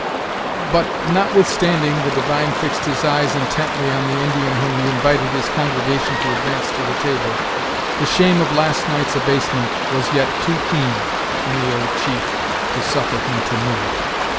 But, not withstanding the divine fixed his eyes intently on the Indian when he invited his congregation to advance to the table, the shame of last night's abasement was yet too keen in the old chief to suffer him to move.